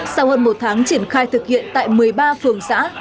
sau hơn một tháng triển khai thực hiện tại một mươi ba phường xã